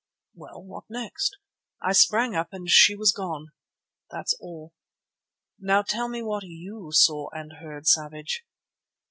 '" "Well, what next?" "I sprang up and she was gone. That's all." "Now tell me what you saw and heard, Savage."